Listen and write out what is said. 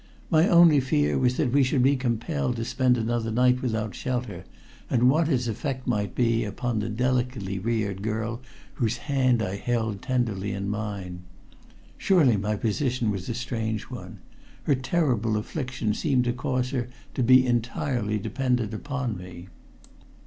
My only fear was that we should be compelled to spend another night without shelter, and what its effect might be upon the delicately reared girl whose hand I held tenderly in mine. Surely my position was a strange one. Her terrible affliction seemed to cause her to be entirely dependent upon me.